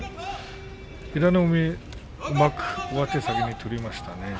平戸海がうまく上手を先に取りましたね。